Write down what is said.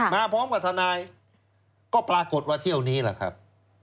มาพร้อมกับทนายก็ปรากฏว่าเที่ยวนี้แหละครับ